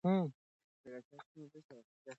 هغه هڅه وکړه چې د ایران باور ترلاسه کړي.